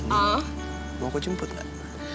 mau aku jemput gak